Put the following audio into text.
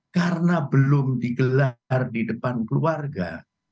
karena belum digelar di depan keluarga